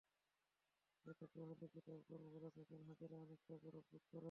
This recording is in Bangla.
এতে আহলি কিতাবগণ বলে থাকেন, হাজেরা অনেকটা গৌরববোধ করেন।